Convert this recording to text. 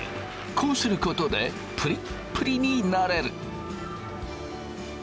こうすることでプリップリになれる。